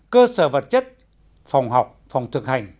cơ sở vật chất phòng học phòng thực hành